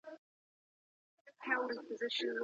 طلاقه سوې ميرمن به د طلاق ورکوونکي ميرمن وي.